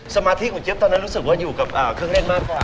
สมาธิของเจี๊ยตอนนั้นรู้สึกว่าอยู่กับเครื่องเล่นมากกว่า